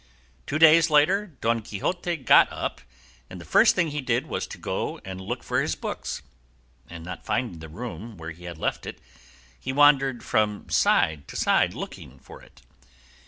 Two days later Don Quixote got up, and the first thing he did was to go and look at his books, and not finding the room where he had left it, he wandered from side to side looking for it.